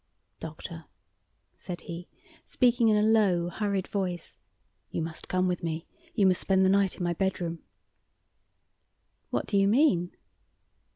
"Doctor," said he, speaking in a low, hurried voice, "you must come with me. You must spend the night in my bedroom." "What do you mean?"